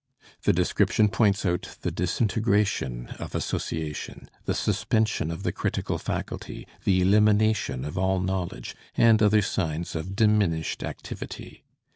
The description points out the disintegration of association, the suspension of the critical faculty, the elimination of all knowledge, and other signs of diminished activity.